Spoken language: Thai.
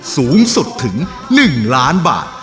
สูงสุดถึง๑ล้านบาท